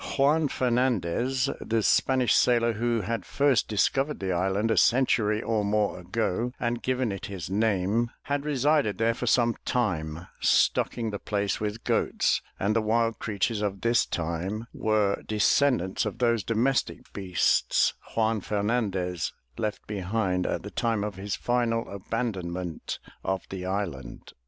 Juan Fernandez, the Spanish sailor who had first discovered the island a century or more ago and given it his name, had resided there for some time, stocking the place with goats, and the wild creatures of this time were descendants of those domestic beasts Juan Fernandez left behind 338 THE TREASURE CHEST at the time of his final abandonment of the island.